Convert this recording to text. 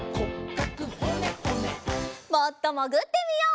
もっともぐってみよう。